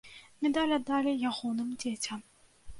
Медаль аддалі ягоным дзецям.